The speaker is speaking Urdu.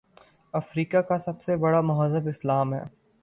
افریقہ کا سب سے بڑا مذہب اسلام ہے